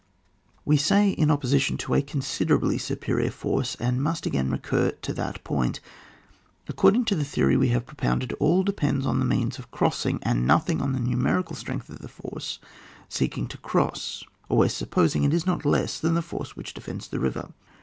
We say, in opposition to a considerahlf superior forcdy and must again recur to that point. According to the theory we have propounded, all depends on the means of crossing, and nothing on the numerical strength of the force seeking to cross, always supposing it is not less than the force which defends the river.